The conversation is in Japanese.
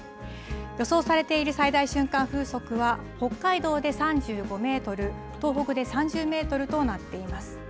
予想されている最大瞬間風速は、北海道で３５メートル、東北で３０メートルとなっています。